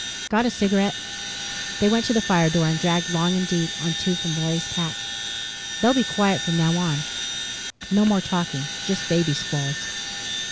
Got a cigarette?" They went to the fire door and dragged long and deep on two from Lorry's pack. "They'll be quiet from now on. No more talking just baby squalls."